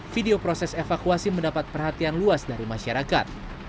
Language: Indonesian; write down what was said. video proses evakuasi mendapat perhatian luas dari masyarakat